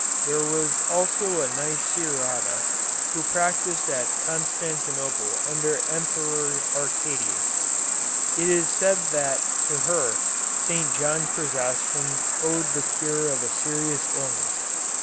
There was also a Nicerata who practised at Constantinople under the Emperor Arcadius. It is said that to her St. John Chrysostom owed the cure of a serious illness.